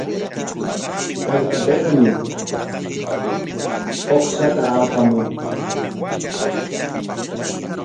Hallqapikmi uqshata apamunqa.